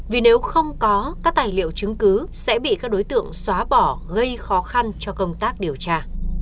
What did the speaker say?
vì nếu không có các tài liệu chứng cứ sẽ bị các đối tượng xóa bỏ gây khó khăn cho công tác điều tra